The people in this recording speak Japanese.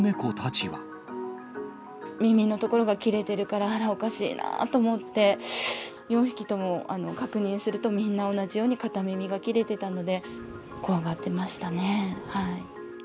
耳のところが切れてるから、あら、おかしいなと思って、４匹とも確認すると、みんな同じように片耳が切れてたので、怖がってましたね。